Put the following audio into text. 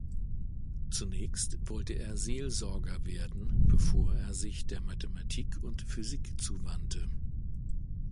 Zunächst wollte er Seelsorger werden, bevor er sich der Mathematik und Physik zuwandte.